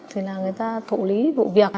thì là người ta thụ lý vụ việc